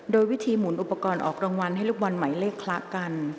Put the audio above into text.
โดยวิธีหมุนอุปกรณ์ออกรางวัลให้ลูกบอลหมายเลขคละกัน